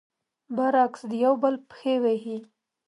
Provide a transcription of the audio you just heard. برعکس، د يو بل پښې وهي.